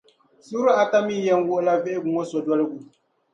Suuri ata mi yɛn wuhila vihigu ŋͻ sodoligu.